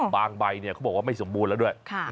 ใบเขาบอกว่าไม่สมบูรณ์แล้วด้วย